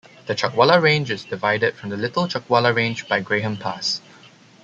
The Chuckwalla Range is divided from the Little Chuckwalla Range by Graham Pass.